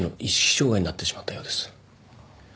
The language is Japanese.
障害になってしまったようです。